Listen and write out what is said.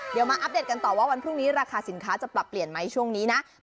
เดี๋ยวมาอัปเดตกันต่อว่าวันพรุ่งนี้ราคาสินค้าจะปรับเปลี่ยนไหมช่วงนี้นะ